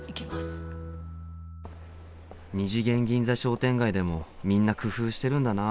二次元銀座商店街でもみんな工夫してるんだな。